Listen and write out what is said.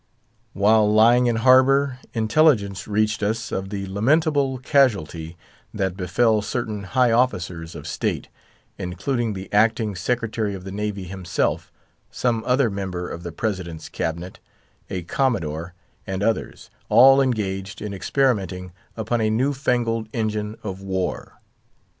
While lying in harbour, intelligence reached us of the lamentable casualty that befell certain high officers of state, including the acting Secretary of the Navy himself, some other member of the President's cabinet, a Commodore, and others, all engaged in experimenting upon a new fangled engine of war.